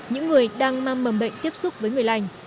những người đang mang mầm bệnh tiếp xúc với người lành